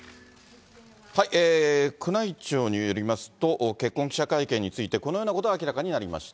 宮内庁によりますと、結婚記者会見について、このようなことが明らかになりました。